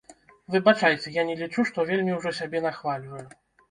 Выбачайце, я не лічу, што вельмі ўжо сябе нахвальваю.